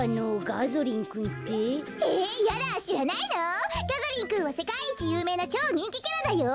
ガゾリンくんはせかいいちゆうめいなちょうにんきキャラだよ。